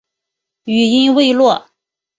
语音未落